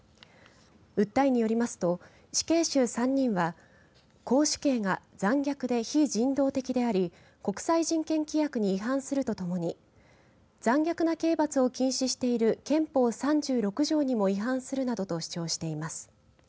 訴えによりますと死刑囚３人は絞首刑が残虐で非人道的であり国際人権規約に違反するとともに残虐な刑罰を禁止している憲法３６条にも違反するなどと主張しています。